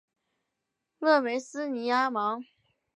勒梅斯尼阿芒。